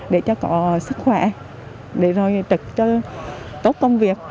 để cho có sức khỏe để rồi trực cho tốt công việc